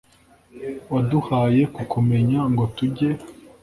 waduhaye kukumenya, ngo tujye